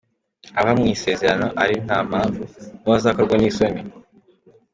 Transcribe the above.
Abava mu isezerano ari nta mpamvu, Ni bo bazakorwa n’isoni.